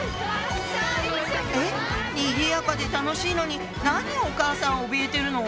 にぎやかで楽しいのに何をお母さんおびえてるの？